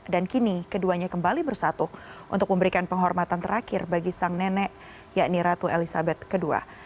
dan kini keduanya kembali bersatu untuk memberikan penghormatan terakhir bagi sang nenek yakni ratu elizabeth ii